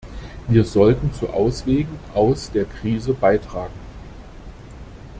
Wir sollten zu Auswegen aus der Krise beitragen.